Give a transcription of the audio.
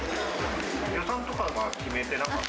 予算とかは決めてなかった？